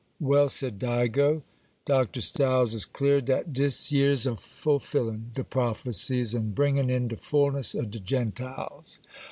'Well,' said Digo, 'Dr. Stiles is clear dat dis yer's a fulfillin' de prophecies and bringin' in de fulness of de Gentiles.